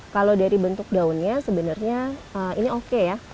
kalau dari bentuk daunnya sebenarnya ini oke ya